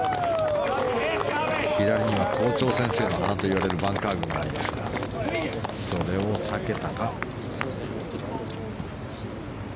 左には校長先生の鼻といわれるバンカー群がありますがそれを避けたか。